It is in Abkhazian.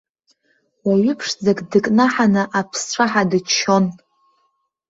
Уаҩы ԥшӡак дыкнаҳаны аԥсцәаҳа дыччон.